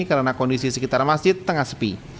karena kondisi sekitar masjid tengah sepi